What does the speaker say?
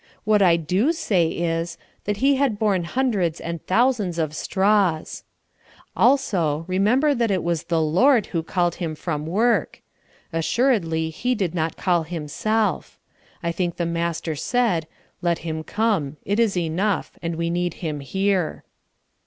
What I do say is, that he had borne hundreds and thousands of "straws." Also, remember it was the Lord who called him from work. Assuredly he did not call himself. I think the master said: "Let him come; it is enough; and we need him here."